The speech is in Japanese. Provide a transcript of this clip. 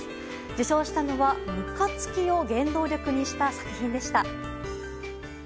受賞したのは、むかつきを原動力にした作品でした。